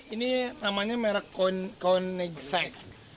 ini namanya merek koenigsegg